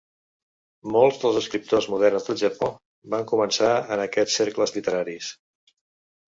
Molts dels escriptors moderns del Japó van començar en aquests cercles literaris.